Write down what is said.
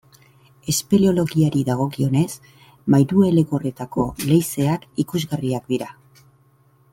Espeleologiari dagokionez, Mairuelegorretako leizeak ikusgarriak dira.